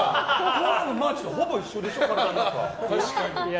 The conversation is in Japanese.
コアラのマーチとほぼ一緒でしょ。